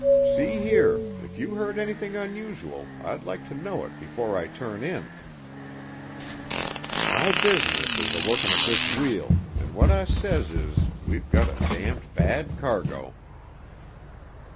"See here, if you heard anything unusual, I'd like to know it before I turn in." "My business is a workin' of this wheel, an' what I says is we've gut a damned bad cargo."